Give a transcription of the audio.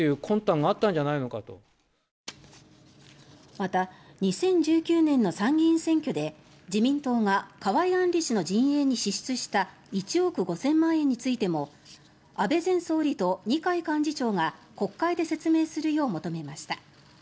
また２０１９年の参議院選挙で自民党が河井案里氏の陣営に支出した１億５０００万円についても安倍前総理と二階幹事長が国会で説明するよう求めました。